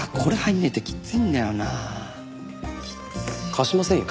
貸しませんよ。